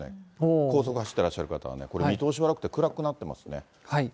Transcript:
高速走っていらっしゃる方はこれ、見通し悪くて暗くなってますね。